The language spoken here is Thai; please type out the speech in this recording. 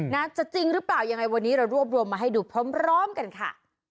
นะจะจริงหรือเปล่ายังไงวันนี้เรารวบรวมมาให้ดูพร้อมกันค่ะ